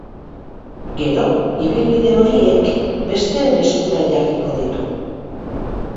Gero ibilbide horiek besteen eskura jarriko ditu.